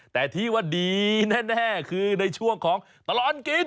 แต่ที่ว่าดีแน่คือในช่วงของตลอดกิน